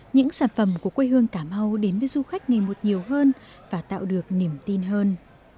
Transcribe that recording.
những sản phẩm của quê hương cà mau đến với du khách ngày một nhiều hơn và tạo được niềm tin hơn